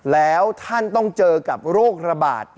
แล้วท่านต้องเจอกับโรคระบาด